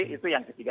itu yang ketiga